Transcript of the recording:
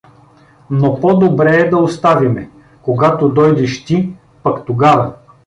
Но по-добре е да оставиме, когато дойдеш ти, пък тогава.